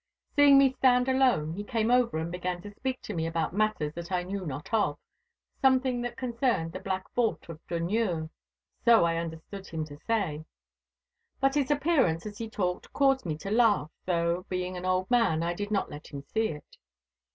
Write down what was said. Seeing me stand alone, he came over and began to speak to me about matters that I knew not of—something that concerned the Black Vault of Dunure, so I understood him to say. But his appearance as he talked caused me to laugh, though, being an old man, I did not let him see it.